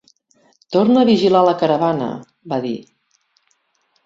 "Torna a vigilar la caravana", va dir.